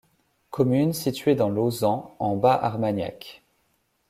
Commune située dans l'Eauzan en Bas-Armagnac.